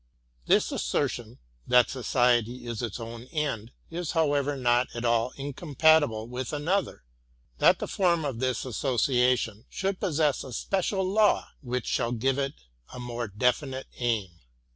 This assertion, that Society is its own end, is however not at all incompatible with another, — that the form of this association should possess a special law which shall give it a more definite aim.